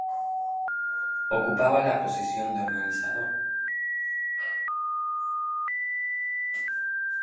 Ocupaba la posición de organizador.